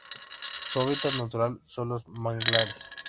Su hábitat natural son los manglares.